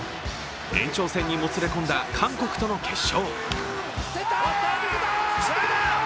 延長戦にもつれ込んだ韓国との決勝。